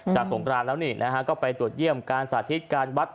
สงกรานแล้วนี่นะฮะก็ไปตรวจเยี่ยมการสาธิตการวัด